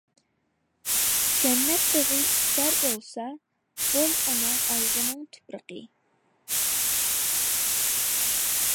جەننەت بېغى ئىستەر بولساڭ، بول ئاناڭ ئايىغىنىڭ تۇپرىقى.